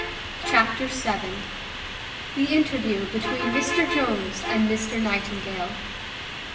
Chapter vii. The interview between Mr Jones and Mr Nightingale.